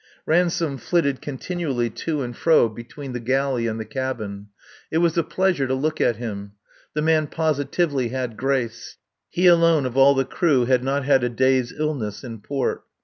Ransome flitted continually to and fro between the galley and the cabin. It was a pleasure to look at him. The man positively had grace. He alone of all the crew had not had a day's illness in port.